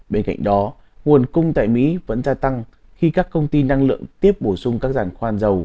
bên cạnh đó nguồn cung tại mỹ vẫn gia tăng khi các công ty năng lượng tiếp bổ sung các dàn khoan dầu